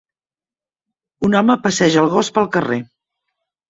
un home passeja el gos pel carrer.